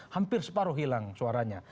hampir separuh hilang suaranya